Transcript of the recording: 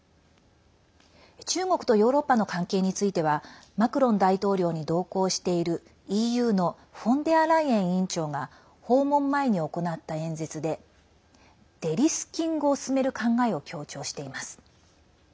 中国とヨーロッパの関係についてはマクロン大統領に同行しているＥＵのフォンデアライエン委員長が訪問前に行った演説でデリスキングを進める考えを強調しています。